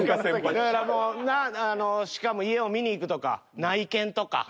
だからもうしかも家を見に行くとか内見とか。